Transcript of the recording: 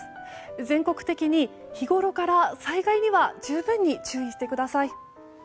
全国的に日ごろから災害には十分に注意してください。